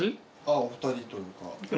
お二人というか。